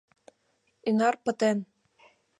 — Ӱнар пытен...